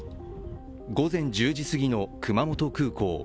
午前１０時すぎの熊本空港。